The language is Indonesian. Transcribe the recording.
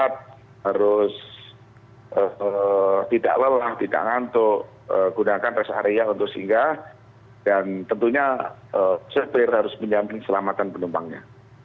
tentu sehingga dan tentunya sopir harus menjamin selamatkan penumpangnya